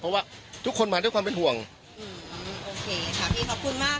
เพราะว่าทุกคนมาด้วยความเป็นห่วงอืมโอเคค่ะพี่ขอบคุณมาก